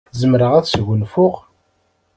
Zemreɣ ad sgunfuɣ.